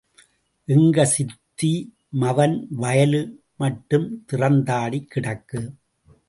எங்க சித்தி மவன் வயலு மட்டும் திறந்தாடி கிடக்கு?